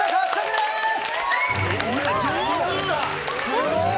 すごーい！